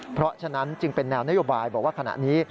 เพราะฉะนั้นจึงเป็นแนวนโยบายบอกว่าขณะนี้